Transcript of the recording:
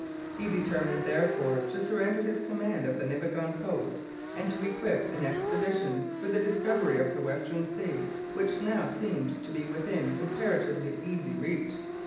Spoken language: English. He determined, therefore, to surrender his command of the Nipigon post and to equip an expedition for the discovery of the Western Sea, which now seemed to be within comparatively easy reach.